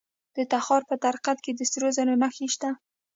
د تخار په درقد کې د سرو زرو نښې شته.